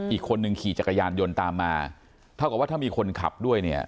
อีกคนนึงขี่จักรยานยนต์ตามมาเท่ากับว่าถ้ามีคนขับด้วยเนี่ย